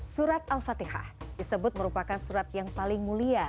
surat al fatihah disebut merupakan surat yang paling mulia